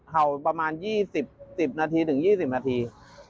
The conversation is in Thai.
เห่าประมาณ๒๐๑๐นาทีถึง๒๐นาที